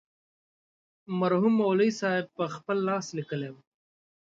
مرحوم مولوي صاحب پخپل لاس لیکلې وه.